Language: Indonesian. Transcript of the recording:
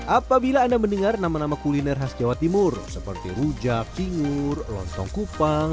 apabila anda mendengar nama nama kuliner khas jawa timur seperti rujak singur lontong kupang